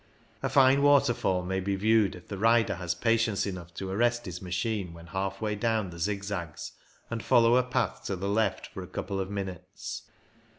A fine waterfall may be viewed if the rider has patience enough to arrest his machine when half way down the zig zags, and follow a path to the left for a couple of minutes.